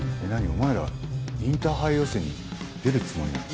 お前らインターハイ予選に出るつもりなの？